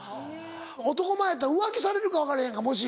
男前やったら浮気されるか分からへんからもし。